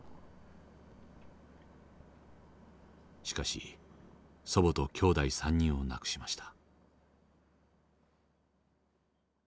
しかし祖母と兄弟３人を亡くしました。